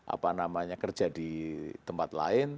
apa namanya kerja di tempat lain